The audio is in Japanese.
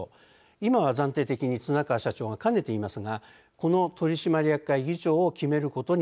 今は暫定的に綱川社長が兼ねていますがこの取締役会議長を決めることになります。